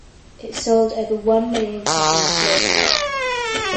It sold over one million copies globally.